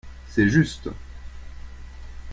C'est juste.